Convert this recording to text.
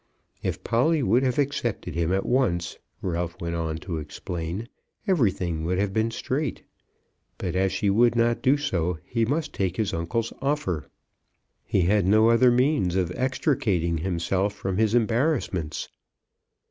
If Polly would have accepted him at once, Ralph went on to explain, everything would have been straight; but, as she would not do so, he must take his uncle's offer. He had no other means of extricating himself from his embarrassments.